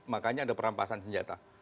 makanya ada perampasan senjata